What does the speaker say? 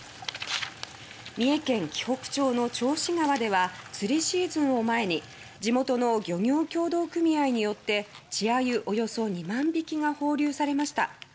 三重県紀北町の銚子川では釣りシーズンを前に地元の漁業協同組合によって稚アユおよそ２万匹が放流されました。